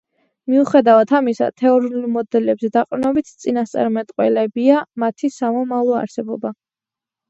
მიუხედავად ამისა, თეორიულ მოდელებზე დაყრდნობით ნაწინასწარმეტყველებია მათი სამომავლო არსებობა.